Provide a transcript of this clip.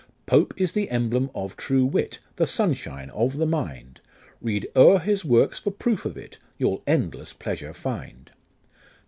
"Pope is the emblem of true Wit, The sunshine of the mind ; Read o'er his works for proof of it, You'll endless pleasure find.